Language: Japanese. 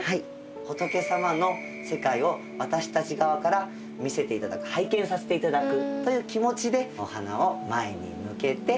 仏様の世界を私たち側から見せていただく拝見させていただくという気持ちでお花を前に向けて置かせていただきます。